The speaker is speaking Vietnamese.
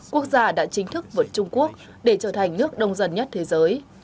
quốc gia đã chính thức vượt trung quốc để trở thành nước đông dân nhất thế giới